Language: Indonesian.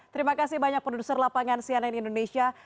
terima kasih banyak produser lapangan cnn indonesia